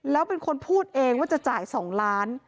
แล้วเป็นคนพูดเองว่าจะจ่าย๒ล้าน